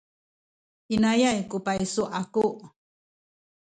inayay ku paysu aku.